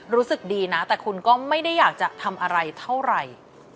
รู้สึกดีนะแต่คุณก็ไม่ได้อยากจะทำอะไรเท่าไหร่